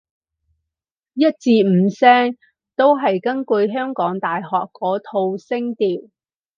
一至五聲都係根據香港大學嗰套聲調